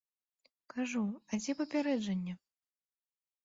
Кажу, а дзе папярэджанне?